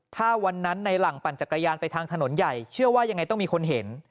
ถ้าวันนั้นในหลังปั่นจักรยานไปทางถนนใหญ่เชื่อว่ายังไงต้องมีคนเห็น